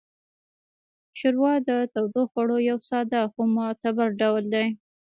ښوروا د تودوخوړو یو ساده خو معتبر ډول دی.